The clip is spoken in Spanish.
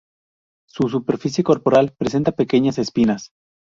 Su superficie corporal presenta pequeñas espinas.